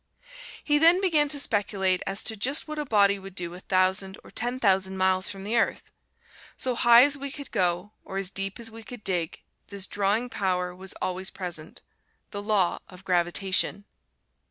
He then began to speculate as to just what a body would do a thousand or ten thousand miles from the earth. So high as we could go, or as deep as we could dig, this drawing power was always present. The Law of Gravitation!